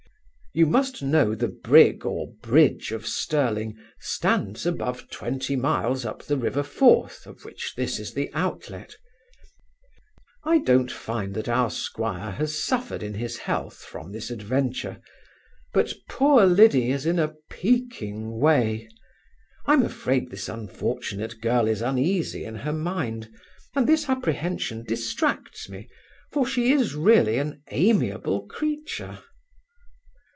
You must know the brig, or bridge of Stirling, stands above twenty miles up the river Forth, of which this is the outlet I don't find that our 'squire has suffered in his health from this adventure; but poor Liddy is in a peaking way I'm afraid this unfortunate girl is uneasy in her mind; and this apprehension distracts me, for she is really an amiable creature.